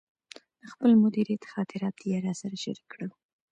د خپل مدیریت خاطرات یې راسره شریک کړل.